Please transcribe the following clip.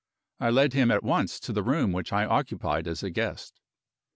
I led him at once to the room which I occupied as a guest.